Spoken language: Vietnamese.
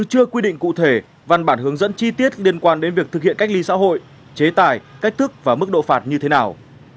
chưa quy định cụ thể văn bản hướng dẫn chi tiết liên quan đến việc thực hiện cách ly xã hội chế tài cách thức và mức độ phạt như thế nào